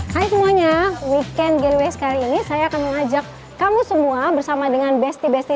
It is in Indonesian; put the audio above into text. hai semuanya weekend galaways kali ini saya akan mengajak kamu semua bersama dengan besti besti